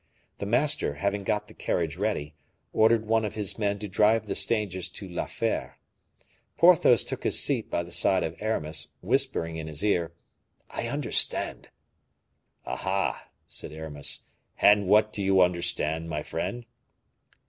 The master, having got the carriage ready, ordered one of his men to drive the strangers to La Fere. Porthos took his seat by the side of Aramis, whispering in his ear, "I understand." "Aha!" said Aramis, "and what do you understand, my friend?"